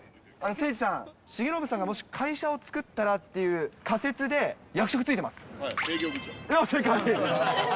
誠司さん、重信さんが、もし会社を作ったらっていう仮説で、役職就いてます。